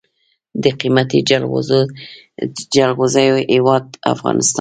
د قیمتي جلغوزیو هیواد افغانستان.